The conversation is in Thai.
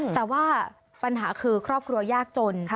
แต่ว่าปัญหาคือครอบครัวยากจน